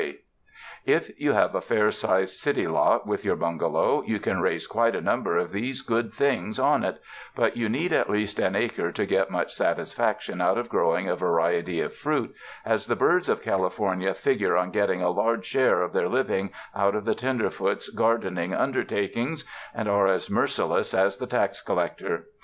If 243 UNDER THE SKY IN CALIFORNIA you have a fair sized city lot with your bungalow, you can raise quite a number of these good things on it; but you need at least an acre to get much satisfaction out of growing a variety of fruit, as the birds of California figure on getting a large share of their living out of the tenderfoot's garden ing undertakings, and are as merciless as the tax gatherer.